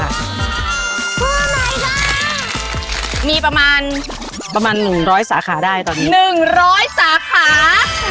เพื่ออะไรจ้ามีประมาณประมาณหนึ่งร้อยสาขาได้ตอนนี้หนึ่งร้อยสาขา